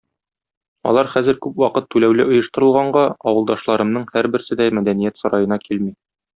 Алар хәзер күп вакыт түләүле оештырылганга, авылдашларымның һәрберсе дә мәдәният сараена килми.